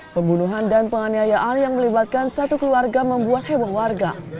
pembunuhan dan penganiayaan yang melibatkan satu keluarga membuat heboh warga